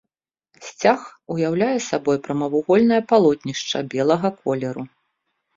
Сцяг уяўляе сабой прамавугольнае палотнішча белага колеру.